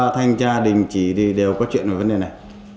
tình chỉ đều có chuyện với vấn đề này